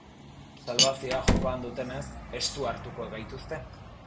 Salbazioa jokoan dutenez, estu hartuko gaituzte.